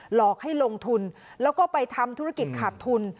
หลอกให้ลงทุนแล้วก็ไปทำธุรกิจขาดทุน